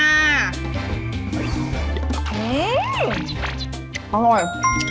อร่อย